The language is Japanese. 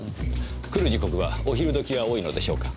来る時刻はお昼時が多いのでしょうか？